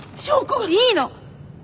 いいの！